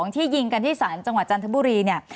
ที่ยิงกันที่ศาลจังหวัดจันทบุรีเนี่ย